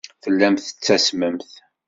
Tellamt tettasmemt.